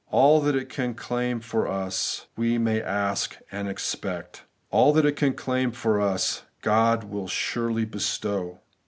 All that it can claim for us we may ask and expect ; all that it can claim for us God wUl assuredly bestow.